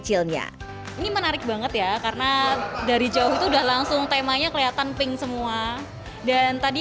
kecilnya ini menarik banget ya karena dari jauh itu udah langsung temanya kelihatan pink semua dan tadi